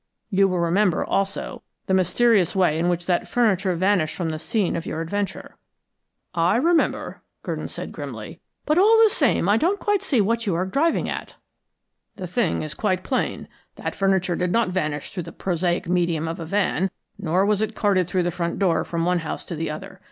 You will remember, also, the mysterious way in which that furniture vanished from the scene of your adventure." "I remember," Gurdon said grimly. "But all the same I don't quite see what you are driving at." "The thing is quite plain. That furniture did not vanish through the prosaic medium of a van, nor was it carted through the front door from one house to the other.